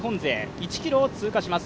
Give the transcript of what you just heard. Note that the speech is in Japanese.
１ｋｍを通過します。